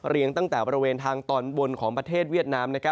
ตั้งแต่บริเวณทางตอนบนของประเทศเวียดนาม